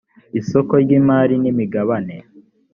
isoko ry’imari n’imigabane